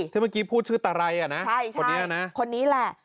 เธอเมื่อกี้พูดชื่อตาไรอ่ะนะคนนี้อ่ะนะ